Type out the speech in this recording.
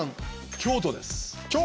京都です。